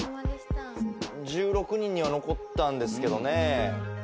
１６人には残ったんですけどね。